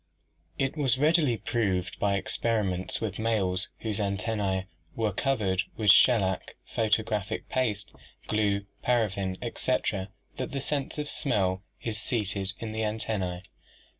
It was readily proved by experiments with males whose antennae were covered with shellac, photographic paste, glue, paraffin, etc., that the sense of smell is seated in the antennae.